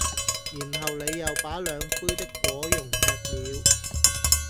然後你又把兩杯的果茸吃了